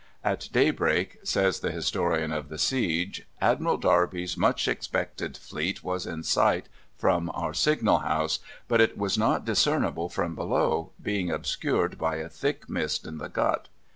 At daybreak, says the historian of the siege, "Admiral Darby's much expected fleet was in sight from our signal house, but was not discernible from below, being obscured by a thick mist in the Gut.